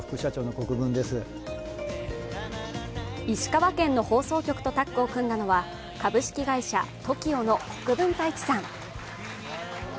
石川県の放送局とタッグを組んだのは株式会社ＴＯＫＩＯの国分太一さん。